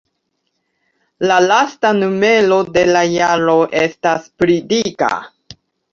La lasta numero de la jaro estas pli dika.